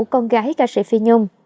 con gái ca sĩ phi nhung